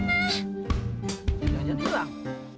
tidak jadi hilang